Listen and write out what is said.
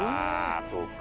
ああそうか。